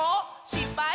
しっぱい？